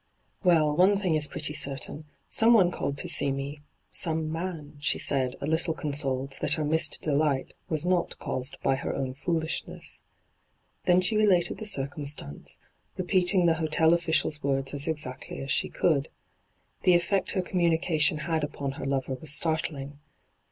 WeU, one thing is pretty certain : some one called to see me — some man,' she said, a little consoled that her missed delight was not caused by her own foolishness. Then she related the circumstance, repeating the hotel oflSiciarB words as exactly aa she could. The efiect her communication had upon her lover was startling.